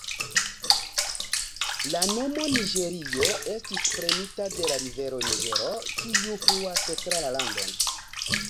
La nomo Niĝerio estis prenita de la rivero Niĝero kiu fluas tra la landon.